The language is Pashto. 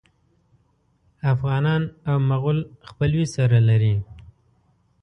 افغانان او مغول خپلوي سره لري.